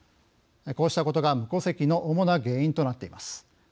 こうしたことが無戸籍の主な原因となっています。